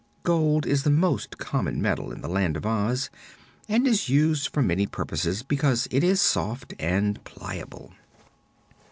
Gold is the most common metal in the Land of Oz and is used for many purposes because it is soft and pliable.